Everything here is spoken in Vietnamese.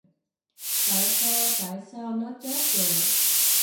Tại sao tại sao nó chết rồi